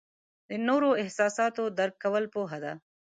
د نورو احساسات درک کول پوهه ده.